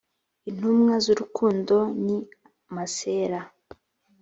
intumwa z urukundo ni masera